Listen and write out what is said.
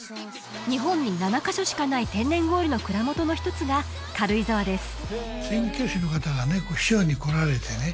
日本に７カ所しかない天然氷の蔵元の一つが軽井沢です